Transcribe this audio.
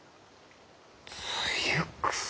ツユクサ？